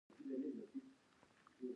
ایا زه باید د حیواني غوړي وخورم؟